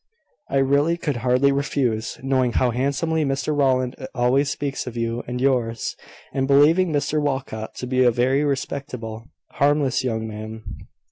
I really could hardly refuse, knowing how handsomely Mr Rowland always speaks of you and yours, and believing Mr Walcot to be a very respectable, harmless young man.